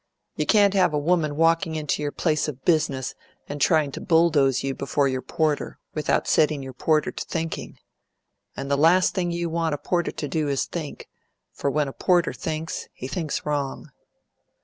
You can't have a woman walking into your place of business, and trying to bulldoze you before your porter, without setting your porter to thinking. And the last thing you want a porter to do is to think; for when a porter thinks, he thinks wrong."